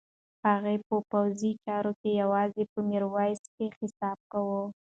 هغه په پوځي چارو کې یوازې پر میرویس حساب کاوه.